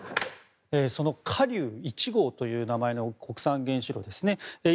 その華竜１号という名前の国産原子炉ですね。